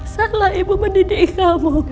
salah ibu mendidik kamu